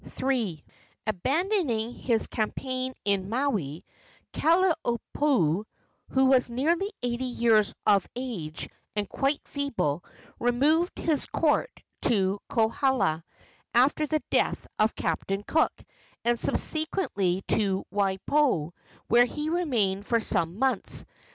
III. Abandoning his campaign in Maui, Kalaniopuu, who was nearly eighty years of age and quite feeble, removed his court to Kohala after the death of Captain Cook, and subsequently to Waipio, where he remained for some months.